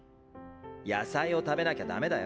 野菜を食べなきゃダメだよ。